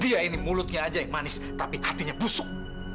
iya ini mulutnya aja yang manis tapi hatinya busuk